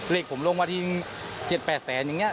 เลขผมลงมาที่๗๘แสนอย่างนี้